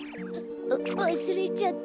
ううわすれちゃった。